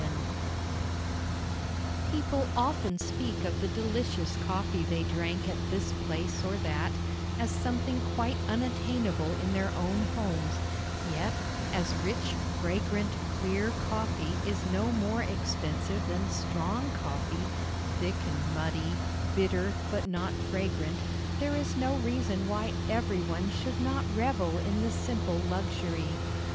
_ PEOPLE often speak of the delicious coffee they drank at this place or that, as something quite unattainable in their own homes; yet, as rich, fragrant, clear coffee is no more expensive than strong coffee thick and muddy, bitter, but not fragrant there is no reason why every one should not revel in the simple luxury.